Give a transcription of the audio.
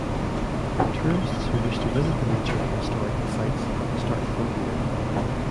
Tourists who wish to visit the nature and historical sites, start from here.